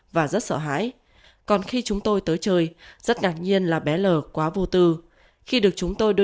và rất sợ hãi còn khi chúng tôi tới chơi rất đặc nhiên là bé lờ quá vô tư khi được chúng tôi đưa